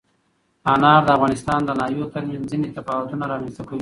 انار د افغانستان د ناحیو ترمنځ ځینې تفاوتونه رامنځ ته کوي.